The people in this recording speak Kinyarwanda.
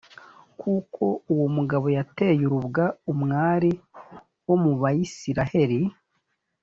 kuko uwo mugabo yateye urubwa umwari wo mu bayisraheli.